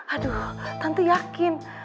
aduh tante yakin